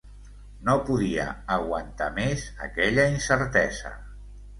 No podia aguantar més aquella incertesa.